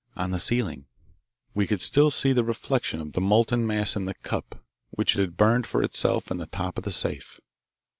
On the ceiling we could still see the reflection of the molten mass in the cup which it had burned for itself in the top of the safe.